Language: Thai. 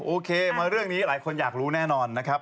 โอเคมาเรื่องนี้หลายคนอยากรู้แน่นอนนะครับ